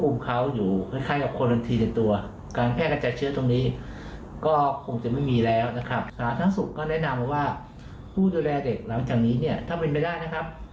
แนะนำว่าผู้ดูแลเด็กหลังจากนี้ถ้าเป็นเวลานะครับ